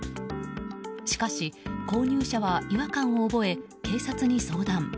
しかし、購入者は違和感を覚え警察に相談。